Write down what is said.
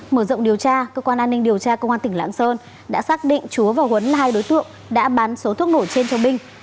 mở rộng điều tra cơ quan an ninh điều tra công an tỉnh lạng sơn đã xác định chúa và huấn là hai đối tượng đã bán số thuốc nổ trên cho binh